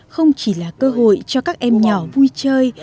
không chỉ là cơ hội cho các em nhỏ vui chơi